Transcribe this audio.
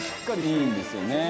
いいんですよね。